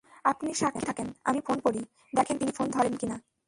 আপনি সাক্ষী থাকেন, আমি ফোন করি, দেখেন তিনি ফোন ধরেন কিনা।